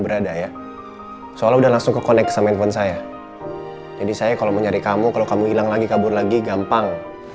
berada ya soalnya udah langsung ke connect sama handphone saya jadi saya kalau mencari kamu kalau kamu hilang lagi kabur lagi gampang